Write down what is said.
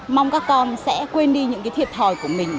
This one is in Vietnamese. mong các con sẽ quên đi những cái thiệt thòi của mình